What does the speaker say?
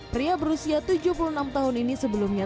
pria berusia tujuh puluh enam tahun ini sebelumnya